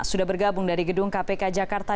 sudah bergabung dari gedung kpk jakarta